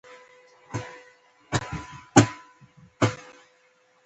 له مصدره د فعل ډولونه جوړیږي.